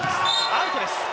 アウトです。